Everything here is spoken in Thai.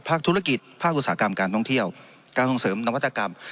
ธุรกิจภาคอุตสาหกรรมการท่องเที่ยวการส่งเสริมนวัตกรรม